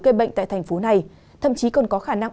gây bệnh tại thành phố này thậm chí còn có khả năng